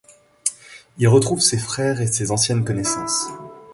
Il retrouve ses frères et ses anciennes connaissances.